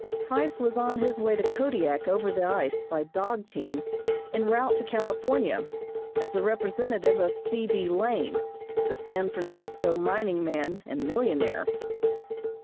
Price was on his way to Kodiak over the ice by dog team en route to California, as the representative of C. D. Lane, the San Francisco mining man and millionaire.